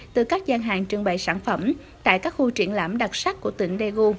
từ các gian hàng trưng bày sản phẩm tại các khu triển lãm đặc sắc của tỉnh daegu